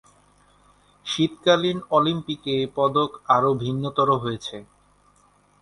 শীতকালীন অলিম্পিকে এ পদক আরো ভিন্নতর হয়েছে।